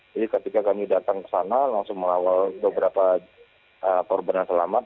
jadi ketika kami datang ke sana langsung melawal beberapa korban yang selamat